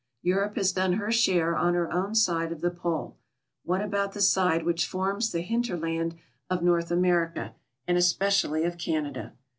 Europe has done her share on her own side of the Pole; what about the side which forms the hinter land of North America, and especially of Canada?